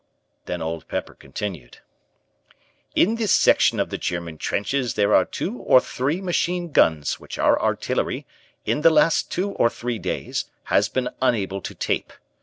Then Old Pepper continued: "In this section of the German trenches there are two or three machine guns which our artillery, in the last two or three days, has been unable to tape.